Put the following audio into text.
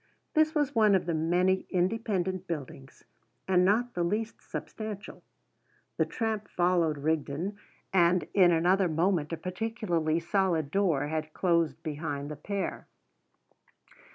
This was one of the many independent buildings, and not the least substantial. The tramp followed Rigden, and in another moment a particularly solid door had closed behind the pair.